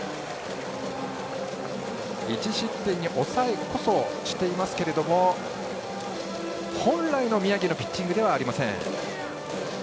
１失点に抑えこそしていますが本来の宮城のピッチングではありません。